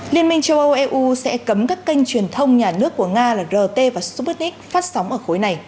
liên minh châu âu eu sẽ cấm các kênh truyền thông nhà nước của nga là rt và sputnic phát sóng ở khối này